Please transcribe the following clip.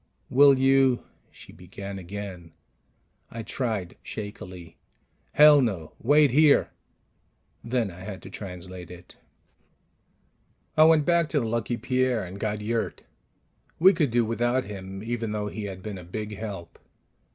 "Will you " she began again. I tried shakily, "Hell, no. Wait here." Then I had to translate it. I went back to the Lucky Pierre and got Yurt. We could do without him, even though he had been a big help.